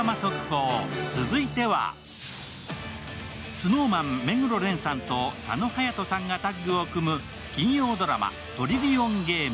ＳｎｏｗＭａｎ・目黒蓮さんと佐野勇斗さんがタッグを組む金曜ドラマ「トリリオンゲーム」。